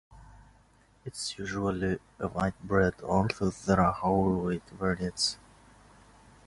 It is usually a white bread although there are whole wheat varieties.